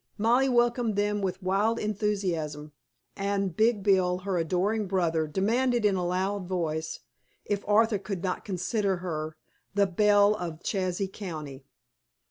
Molly welcomed them with wild enthusiasm and big Bill, her adoring brother, demanded in a loud voice if Arthur did not consider her the "Belle of Chazy County."